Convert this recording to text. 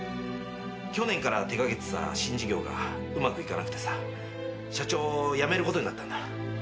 去年から手掛けてた新事業がうまくいかなくてさ社長辞めることになったんだ。